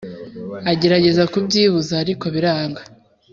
agerageza kubyibuza ariko biranga